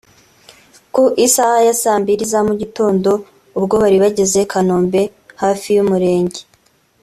Ku isaha ya saa mbiri za mugitondo ubwo bari bageze Kanombe hafi y'umurenge